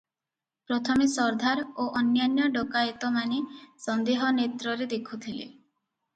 ପ୍ରଥମେ ସର୍ଦ୍ଦାର ଓ ଅନ୍ୟାନ୍ୟ ଡକାଏତମାନେ ସନ୍ଦେହ ନେତ୍ରରେ ଦେଖୁଥିଲେ ।